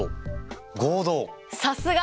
さすが！